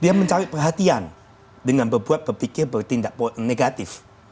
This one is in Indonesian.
dia mencari perhatian dengan berbuat berpikir bertindak negatif